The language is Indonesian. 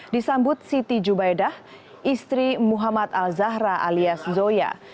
disambut siti jubaidah istri muhammad al zahra alias zoya